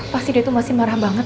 pak sidi itu masih marah banget